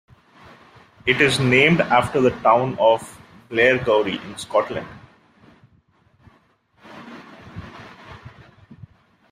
It is named after the town of Blairgowrie in Scotland.